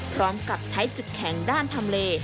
พร้อมกับใช้จุดแข็งด้านทำเล